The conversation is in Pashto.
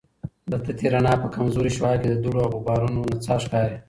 د تتي رڼا په کمزورې شعاع کې د دوړو او غبارونو نڅا ښکاري.